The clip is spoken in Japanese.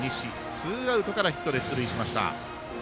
ツーアウトからヒットで出塁しました。